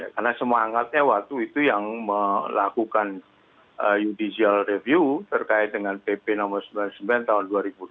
karena semangatnya waktu itu yang melakukan judicial review terkait dengan pp nomor sembilan puluh sembilan tahun dua ribu dua belas